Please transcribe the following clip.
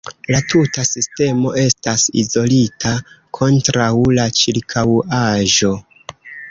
La tuta sistemo estas izolita kontraŭ la ĉirkaŭaĵo.